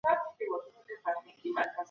د دلارام سیند ته نږدې شنې باغچې جوړي سوي دي